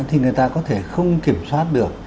thì người ta có thể không kiểm soát được